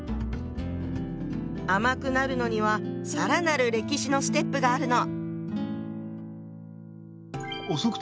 甘くなるのには更なる歴史のステップがあるの。